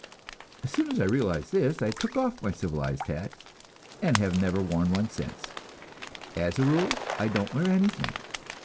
As soon as I realized this I took off my civilized hat, and have never worn one since. As a rule, I don't wear anything.